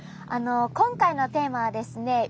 あの今回のテーマはですね